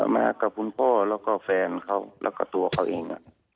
มากับคุณพ่อแล้วก็แฟนเขาแล้วก็ตัวเขาเอง